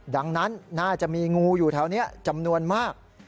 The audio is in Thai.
ดังนั้นน่าจะมีงูอยู่แถวนี้จำนวนมาก